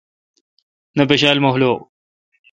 نہ پشا ل مخلوق۔